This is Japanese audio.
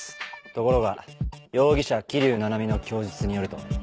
ところが容疑者・桐生菜々美の供述によると。